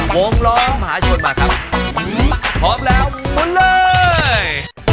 วงล้อมหาชนมาครับพร้อมแล้วมุนเลย